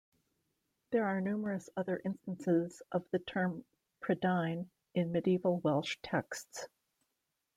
There are numerous other instances of the term "Prydain" in medieval Welsh texts.